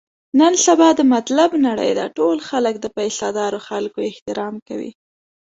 نن سبا د مطلب نړۍ ده، ټول خلک د پیسه دارو خلکو احترام کوي.